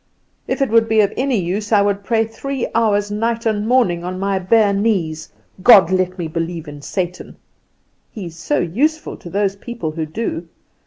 If it would be of any use I would pray three hours night and morning on my bare knees, 'God, let me believe in Satan.' He is so useful to those people who do.